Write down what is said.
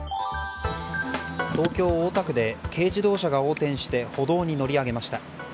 東京・大田区で軽自動車が横転して歩道に乗り上げました。